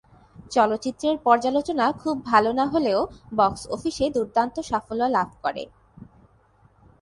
চলচ্চিত্রের পর্যালোচনা খুব ভাল না হলেও বক্স অফিসে দুর্দান্ত সাফল্য লাভ করে।